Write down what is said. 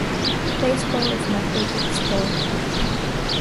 Baseball is my favorite sport.